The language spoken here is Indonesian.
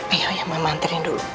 ayo ya mama anterin dulu ya